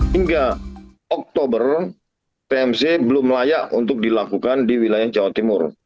hingga oktober pmz belum layak untuk dilakukan di wilayah jawa timur